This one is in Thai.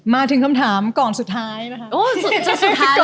มาถึงคำถามก่อนสุดท้ายนะคะ